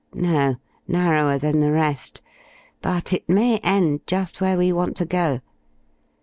"No narrower than the rest. But it may end just where we want to go.